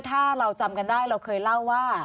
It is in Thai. ถ้าเราจำกันได้เราเคยเล่าว่า